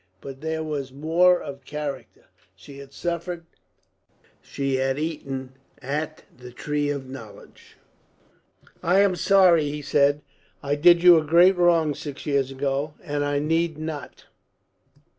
But there was more of character. She had suffered; she had eaten of the tree of knowledge. "I am sorry," he said. "I did you a great wrong six years ago, and I need not."